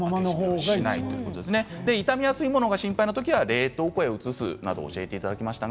傷みやすいものが心配な場合は冷凍庫に移すなど教えてもらいました。